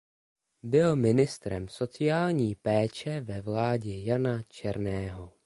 Byl ministrem sociální péče ve vládě Jana Černého.